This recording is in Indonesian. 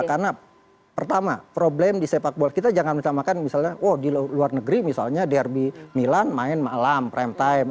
karena pertama problem di sepak bola kita jangan ditamakan misalnya di luar negeri misalnya derby milan main malam prime time